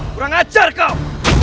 kurang ajar kau